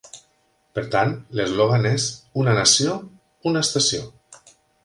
Per tant, l'eslògan és "Una Nació, Una Estació".